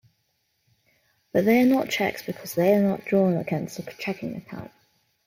But they are not checks because they are not drawn against a checking account.